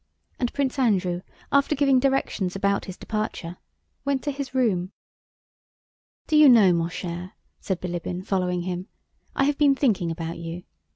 And Prince Andrew after giving directions about his departure went to his room. "Do you know, mon cher," said Bilíbin following him, "I have been thinking about you.